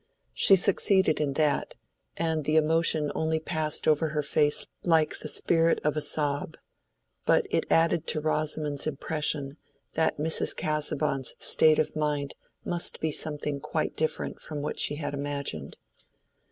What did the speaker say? She succeeded in that, and the emotion only passed over her face like the spirit of a sob; but it added to Rosamond's impression that Mrs. Casaubon's state of mind must be something quite different from what she had imagined.